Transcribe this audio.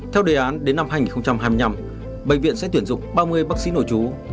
theo đề án đến năm hai nghìn hai mươi năm bệnh viện sẽ tuyển dụng ba mươi bác sĩ nổi trú